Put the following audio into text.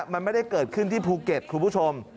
มันไม่ได้เกิดขึ้นที่ภูเก็ตคุณผู้ชม